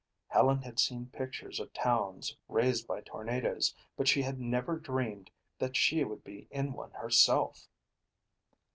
Helen had seen pictures of towns razed by tornadoes but she had never dreamed that she would be in one herself.